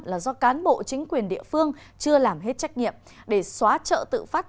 là do cán bộ chính quyền địa phương chưa làm hết trách nhiệm để xóa trợ tự phát